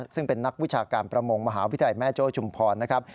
ซึ่งเป็นนักวิชาการประมงมหาวิทยาลัยแม่โจ้ชุมพรนะครับ